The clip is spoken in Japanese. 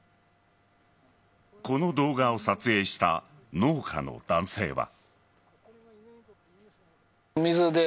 この動画を撮影した農家の男性は。